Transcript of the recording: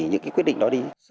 những cái quyết định đó đi